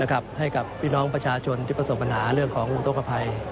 นะครับให้กับพี่น้องประชาชนที่ประสงค์บัญหาเรื่องของบุคโฆภัย